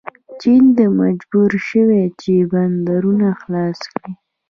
چین مجبور شو چې بندرونه خلاص کړي.